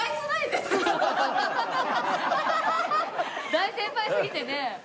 大先輩すぎてね。